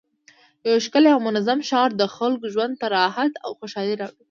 یو ښکلی او منظم ښار د خلکو ژوند ته راحت او خوشحالي راوړي